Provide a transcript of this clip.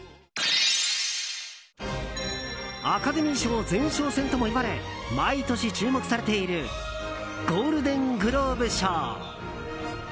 アカデミー賞前哨戦ともいわれ毎年注目されているゴールデングローブ賞。